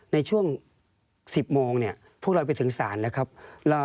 ในช่วง๑๐โมงพวกเราไปถึงสาร